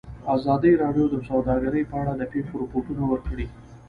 ازادي راډیو د سوداګري په اړه د پېښو رپوټونه ورکړي.